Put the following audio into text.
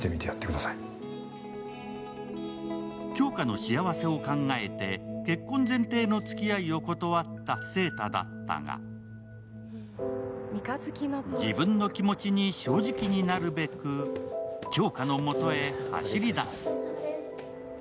杏花の幸せを考えて、結婚前提のつきあいを断った晴太だったが自分の気持ちに正直になるべく杏花の元へ走り出す。